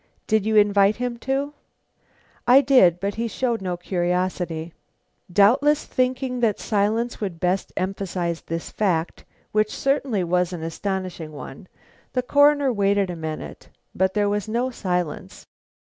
"Did you invite him to?" "I did; but he showed no curiosity." Doubtless thinking that silence would best emphasize this fact, which certainly was an astonishing one, the Coroner waited a minute. But there was no silence.